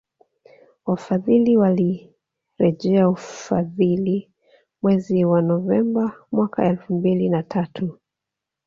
Wafadhili walirejelea ufadhili mwezi wa Novemba mwaka elfu mbili na tatu